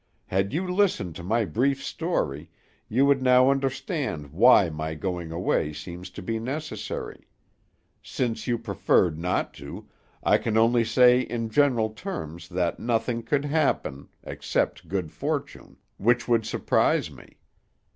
Had you listened to my brief story, you would now understand why my going away seems to be necessary; since you preferred not to, I can only say in general terms that nothing could happen, except good fortune, which would surprise me.